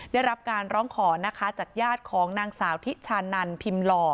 ได้รับการร้องขอนะคะจากญาติของนางสาวทิชานันพิมพ์หล่อ